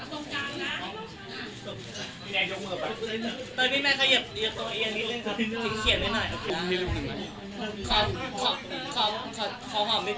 หนึ่งขอขอมนิดหนึ่ง